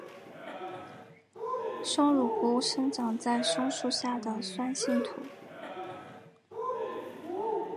松乳菇生长在松树下的酸性土。